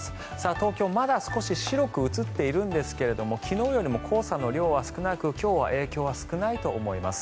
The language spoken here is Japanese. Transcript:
東京、まだ少し白く映っているんですけれど昨日よりも黄砂の量は少なく今日は影響は少ないと思います。